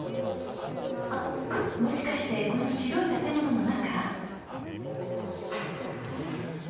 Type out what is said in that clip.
・あっもしかしてこの白い建物の中？